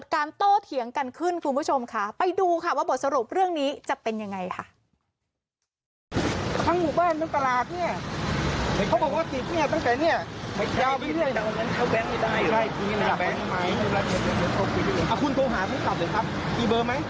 ทั้งหมู่บ้านตั้งตลาดเนี่ยก็บอกว่าตึกเนี่ยตั้งแต่เนียเจ้าไม่ได้